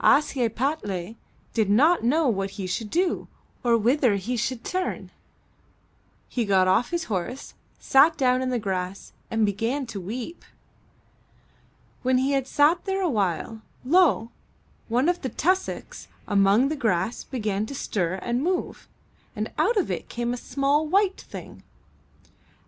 Ashiepattle did not know what he should do or whither he should turn. He got off his horse, sat down in the grass and began to weep. When he had sat there a while, lo! one of the tus socks among the grass began to stir and move, and out of it came a small white thing.